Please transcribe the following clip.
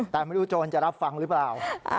แต่ไม่รู้โจรจะรับฟังหรือเปล่า